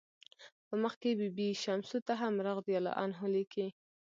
په مخ کې بي بي شمسو ته هم "رضی الله عنه" لیکي.